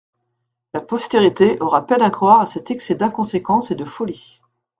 La postérité aura peine à croire à cet excès d'inconséquence et de folie.